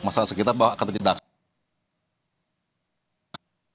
masalah sekitar bahwa akan terjadi ledakan